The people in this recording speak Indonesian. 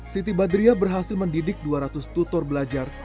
siti badriah berhasil mendidik dua ratus tutor belajar